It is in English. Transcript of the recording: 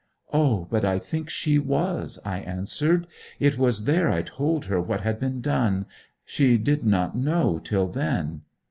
'O, but I think she was,' I answered. 'It was there I told her what had been done; she did not know till then.'